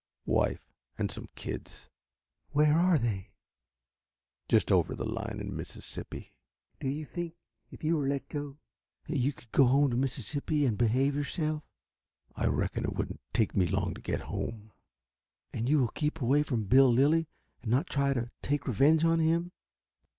"Wife and some kids." "Where are they?" "Just over the line in Mississippi." "Do you think, if you were let go, that you could go home to Mississippi and behave yourself?" "I reckon it wouldn't take me long to get home." "And you will keep away from Bill Lilly and not try to take revenge on him?"